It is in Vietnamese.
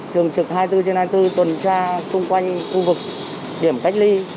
thường trực hai mươi bốn trên hai mươi bốn tuần tra xung quanh khu vực điểm cách ly